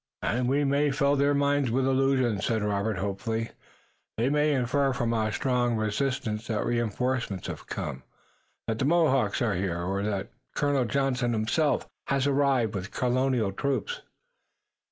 "And we may fill their minds with illusions," said Robert hopefully. "They may infer from our strong resistance that reënforcements have come, that the Mohawks are here, or that Colonel Johnson himself has arrived with Colonial troops."